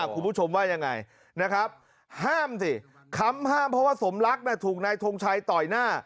คุณผู้ชมว่ายังไงนะครับห้ามสิค้ำห้ามเพราะว่าสมรักถูกนายทงชัยต่อยหน้า